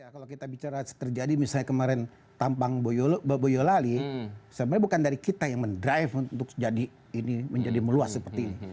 kalau kita bicara terjadi misalnya kemarin tampang boyolali sebenarnya bukan dari kita yang mendrive untuk menjadi meluas seperti ini